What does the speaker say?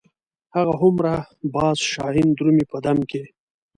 هغه هومره باز شاهین درومي په دم کې.